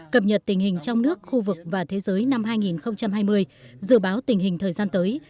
cập nhật tình hình trong nước khu vực và thế giới năm hai nghìn hai mươi dự báo tình hình thời gian tới